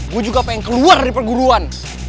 gue juga pengen keluar dari perguruan